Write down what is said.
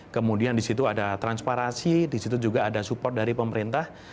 kemudian di situ ada transparansi disitu juga ada support dari pemerintah